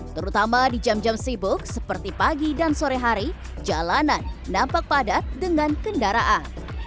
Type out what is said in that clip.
terutama di jam jam sibuk seperti pagi dan sore hari jalanan nampak padat dengan kendaraan